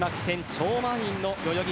超満員の代々木